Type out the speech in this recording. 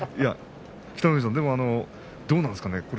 でもどうなんですかね